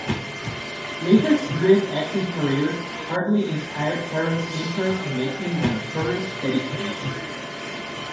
Leith's brief acting career partly inspired Harron's interest in making "The Notorious Bettie Page".